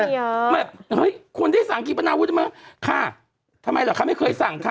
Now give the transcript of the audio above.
เยอะคุณได้สั่งกีปราณาวุธไหมค่ะทำไมหรอค่ะไม่เคยสั่งค่ะ